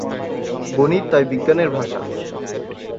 গণিত তাই বিজ্ঞানের ভাষা।